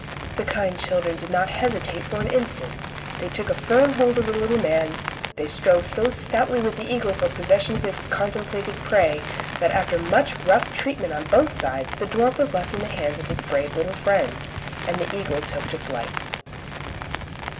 The kind children did not hesitate for an instant. They took a firm hold of the little man, they strove so stoutly with the eagle for possession of his contemplated prey, that, after much rough treatment on both sides, the dwarf was left in the hands of his brave little friends, and the eagle took to flight.